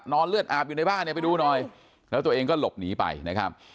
เลือดอาบอยู่ในบ้านเนี่ยไปดูหน่อยแล้วตัวเองก็หลบหนีไปนะครับ